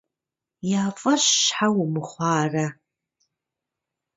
Я фӀэщ щхьэ умыхъуарэ?